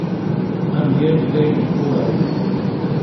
Amyag d ayenwuran.